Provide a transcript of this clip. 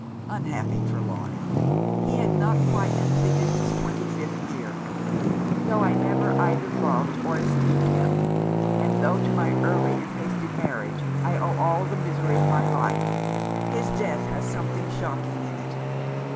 Unhappy Trelawny! he had not quite compleated his twenty fifth year. Tho' I never either loved or esteemed him, and tho' to my early and hasty marriage I owe all the misery of my life, his death has something shocking in it.